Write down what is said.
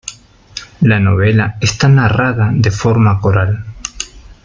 La novela está narrada de forma coral.